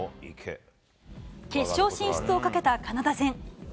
決勝進出をかけたカナダ戦。